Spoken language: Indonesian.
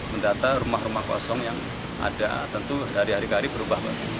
mendata rumah rumah kosong yang ada tentu dari hari ke hari berubah